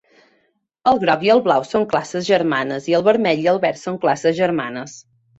El groc i el blau són classes germanes i el vermell i el verd són classes germanes.